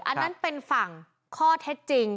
อันนั้นเป็นฝั่งข้อเท็จจริง